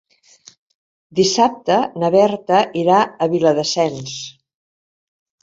Dissabte na Berta irà a Viladasens.